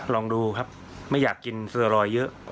ลองดูครับไม่อยากกินเซอร์รอยเยอะ